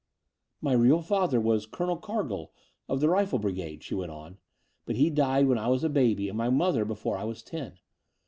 '' My real father was Colonel Cargill, of the Rifle Brigade,*' she went on; but he died when I was a baby, and my mother 'before I was ten.